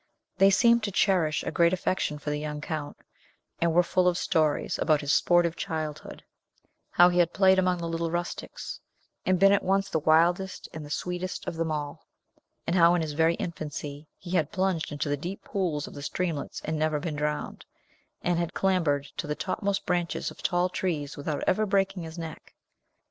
They seemed to cherish a great affection for the young Count, and were full of stories about his sportive childhood; how he had played among the little rustics, and been at once the wildest and the sweetest of them all; and how, in his very infancy, he had plunged into the deep pools of the streamlets and never been drowned, and had clambered to the topmost branches of tall trees without ever breaking his neck.